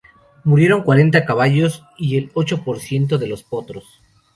Murieron cuarenta caballos y el ocho por ciento de los potros.